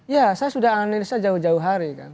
ya saya sudah analisa jauh jauh hari kan